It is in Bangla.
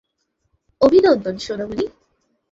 অভিনন্দন, সোনামণি।